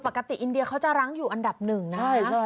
ปกติอันดับ๑เขาจะรั้งอยู่อันดับ๑นะฮะ